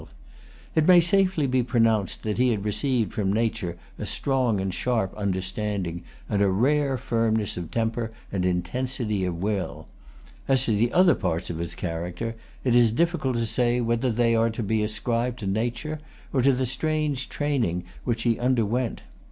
It may safely be pronounced that he had received from nature a strong and sharp understanding, and a rare firmness of temper and intensity of will. As to the other parts of his character, it is difficult to say whether they are to be ascribed to nature, or to the strange training which he underwent.